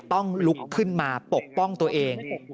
ต้องลุกขึ้นมาปกป้องตัวเอง